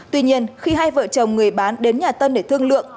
tuy nhiên khi hai vợ chồng người bán đến nhà tân để thương lượng